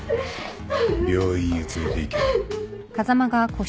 病院へ連れていけ。